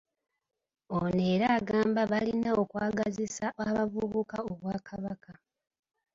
Ono era agamba balina okwagazisa abavubuka Obwakabaka